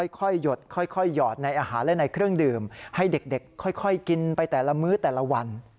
หยดค่อยหยอดในอาหารและในเครื่องดื่มให้เด็กค่อยกินไปแต่ละมื้อแต่ละวัน